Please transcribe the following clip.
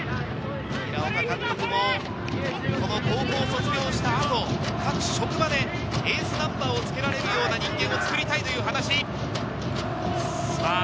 平岡総監督も高校卒業したあと、各職場でエースナンバーをつけられるような人間を作りたいという話。